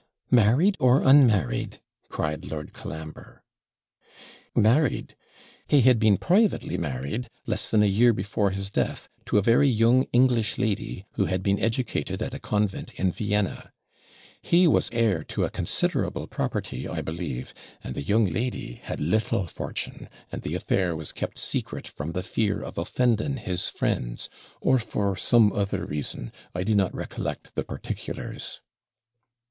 'Married or unmarried?' cried Lord Colambre. 'Married he had been privately married, less than a year before his death, to a very young English lady, who had been educated at a convent in Vienna. He was heir to a considerable property, I believe, and the young lady had little fortune; and the affair was kept secret from the fear of offending his friends, or for some other reason I do not recollect the particulars.'